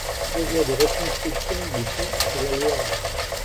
Projet de reconstruction du pont sur la Loire.